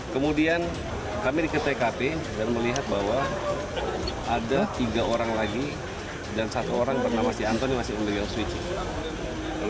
kemudian kami di ktkt dan melihat bahwa ada tiga orang lagi dan satu orang bernama si anton yang masih menderita luka